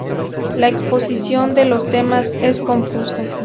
La exposición de los temas es confusa.